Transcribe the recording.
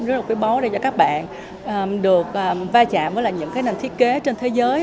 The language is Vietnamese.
rất là quy bó đây cho các bạn được vai trạm với những nền thiết kế trên thế giới